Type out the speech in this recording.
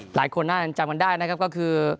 หลายคนน่าจะจำกันได้นะครับก็คือ